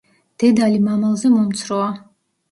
დედალი მამალზე მომცროა.